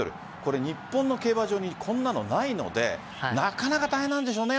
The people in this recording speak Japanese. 日本の競馬場にこんなのないのでなかなか大変なんでしょうね。